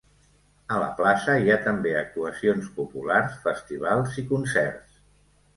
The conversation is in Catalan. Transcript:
A la plaça hi ha també actuacions populars, festivals i concerts.